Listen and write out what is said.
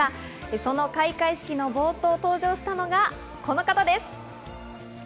その開会式の冒頭、登場したのがこの方です。